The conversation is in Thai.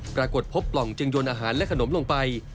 ปรากฏพบปล่องจึงยนอาหารและขนมลงไป